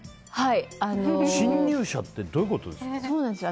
侵入者ってどういうことですか。